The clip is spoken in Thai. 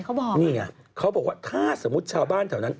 เขาบอกนี่ไงเขาบอกว่าถ้าสมมุติชาวบ้านแถวนั้น